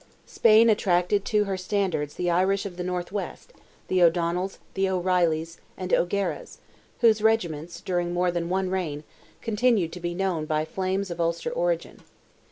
Spain attracted to her standard the Irish of the north west, the O'Donnells, the O'Reillys, and O'Garas, whose regiments, during more than one reign, continued to be known by flames of Ulster origin.